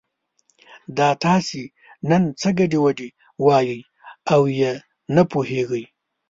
دا تاسې نن څه ګډې وډې وایئ او یې نه پوهېږي.